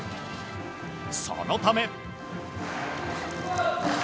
そのため。